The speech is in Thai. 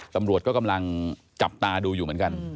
ตำรวจก็กำลังจับตาดูอยู่เหมือนกัน